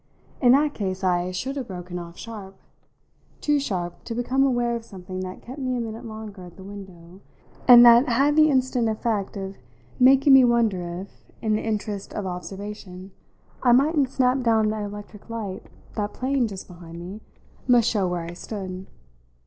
In that case I should have broken off sharp too sharp to become aware of something that kept me a minute longer at the window and that had the instant effect of making me wonder if, in the interest of observation, I mightn't snap down the electric light that, playing just behind me, must show where I stood.